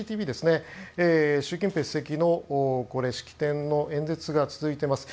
習近平主席の式典の演説が続いています。